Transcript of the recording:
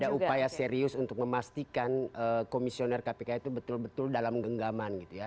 jadi ada upaya serius untuk memastikan komisioner kpk itu betul betul dalam genggaman gitu ya